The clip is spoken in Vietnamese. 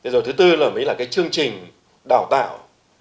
rồi thứ tư là mấy là cái chương trình đào tạo